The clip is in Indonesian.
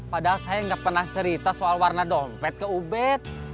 padahal saya nggak pernah cerita soal warna dompet ke ubed